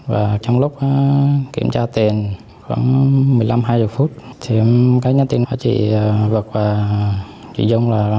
và trong lúc kiểm tra tiền khoảng một mươi năm hai mươi phút thì em gái nháy tiền của chị vật và chị dung là